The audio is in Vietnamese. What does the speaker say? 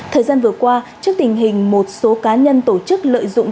thời gian vừa qua trước tình hình một số cá nhân tổ chức lợi dụng